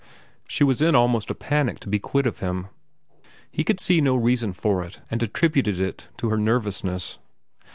She was in almost a panic to be quit of him. He could see no reason for it and attributed it to her nervousness.